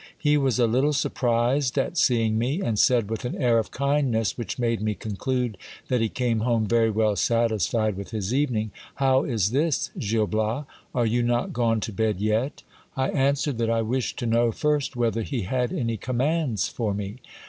He was a little surprised at seeing me, and said with an air of kindness which made me conclude that he came home very well satisfied with his evening : How is this, Gil Bias ? Are you not gone to bed yet ? I answered that I wished to know first whether he had any commands for me.